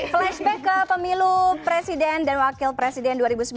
flashback ke pemilu presiden dan wakil presiden dua ribu sembilan belas